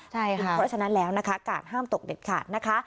เพราะฉะนั้นแล้วนะคะกาดห้ามตกเด็ดขาดนะคะ